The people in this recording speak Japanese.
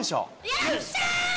よっしゃー！